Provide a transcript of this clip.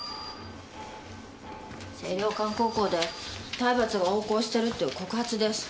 清涼館高校で体罰が横行してるっていう告発です。